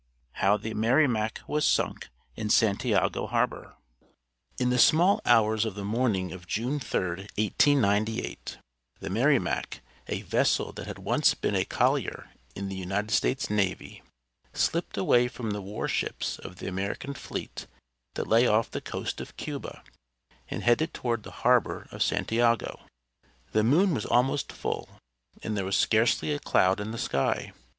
XIV HOW THE "MERRIMAC" WAS SUNK IN SANTIAGO HARBOR In the small hours of the morning of June 3, 1898, the Merrimac, a vessel that had once been a collier in the United States Navy, slipped away from the war ships of the American fleet that lay off the coast of Cuba, and headed toward the harbor of Santiago. The moon was almost full, and there was scarcely a cloud in the sky.